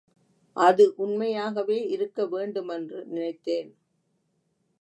அது உண்மையாகவே இருக்க வேண்டுமென்று நினைத்தேன்.